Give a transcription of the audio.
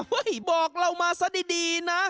เฮ้ยบอกเรามาซะดีนะ